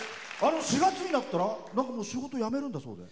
４月になったら仕事、辞めるんだそうで。